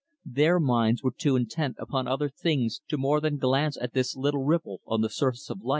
Their minds were too intent upon other things to more than glance at this little ripple on the surface of life.